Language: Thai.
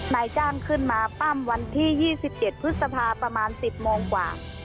นายจ้างขึ้นมาปั้มวันที่๒๗พฤษภาประมาณ๑๐โมงกว่า